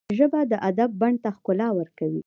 ژبه د ادب بڼ ته ښکلا ورکوي